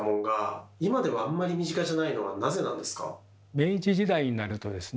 明治時代になるとですね